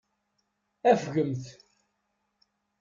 Afgemt.